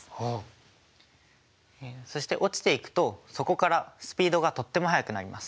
そして落ちていくとそこからスピードがとっても速くなります。